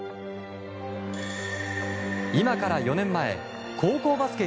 今から４年前高校バスケ